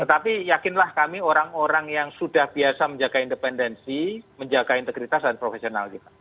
tetapi yakinlah kami orang orang yang sudah biasa menjaga independensi menjaga integritas dan profesional kita